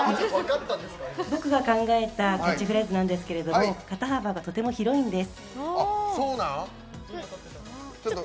僕が考えたキャッチフレーズなんですけど肩幅がとっても広いんです。